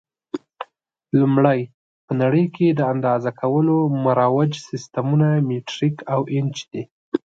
لومړی: په نړۍ کې د اندازه کولو مروج سیسټمونه مټریک او انچ دي.